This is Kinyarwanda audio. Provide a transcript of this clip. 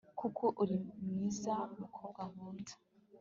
koko uri mwiza, mukobwa nkunda